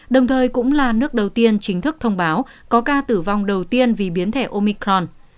đồng thời cũng là nước đầu tiên chính thức thông báo có ca tử vong đầu tiên vì biến thể omicron